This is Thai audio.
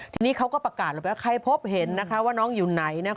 ทีนี้เขาก็ประกาศแล้วว่าใครพบเห็นว่าน้องอยู่ไหน